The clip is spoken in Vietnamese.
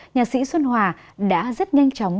nhạc sĩ xuân hòa đã rất nhanh chóng